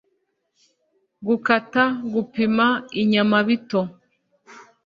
gukata-gupima inyama bito